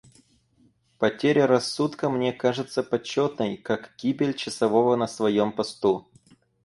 Потеря рассудка мне кажется почетной, как гибель часового на своем посту.